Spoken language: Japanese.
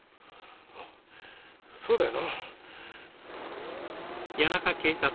ああそうだよな。